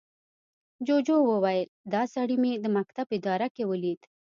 جوجو وويل، دا سړي مې د مکتب اداره کې ولید.